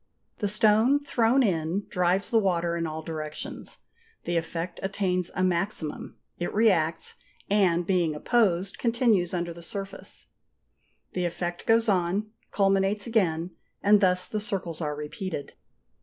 The stone thrown in drives the water in all directions; the effect attains a maximum, it reacts, and being opposed, continues under the surface. The effect goes on, culminates again, and thus the circles are repeated.